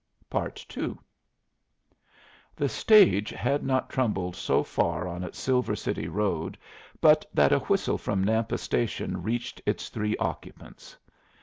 II The stage had not trundled so far on its Silver City road but that a whistle from Nampa station reached its three occupants.